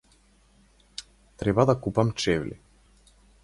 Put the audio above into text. Треба да купам чевли.